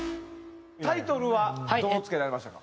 タイトルはどう付けられましたか？